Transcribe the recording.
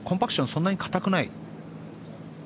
そんなに硬くない？